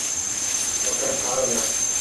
Fakat hâlâ.